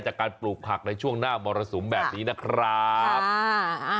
จากการปลูกผักในช่วงหน้ามรสุมแบบนี้นะครับอ่า